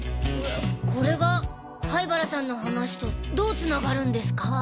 これが灰原さんの話とどうつながるんですか？